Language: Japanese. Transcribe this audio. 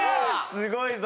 すごいぞ！